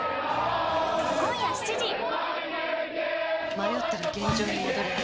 迷ったら現場に戻れ。